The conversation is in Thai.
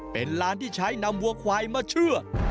เป็นร้านที่ใช้นำวัวควายมาเชื่อ